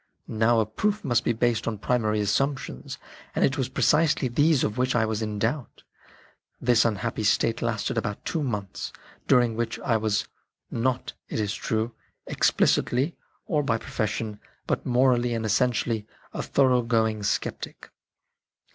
Now a proof must be based on primary assumptions, and it was precisely these of which I was in doubt. This unhappy state lasted about two months, during which I was, not, it is true, explicitly or by profession, but morally and essentially a thorough going sceptic.